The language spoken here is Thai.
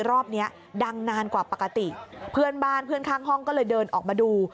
รอบนี้ดังนานกว่าปกติเพื่อนบ้านเพื่อนข้างห้องก็เลยเดินออกมาดู